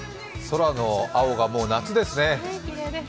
空の青がもう夏ですね。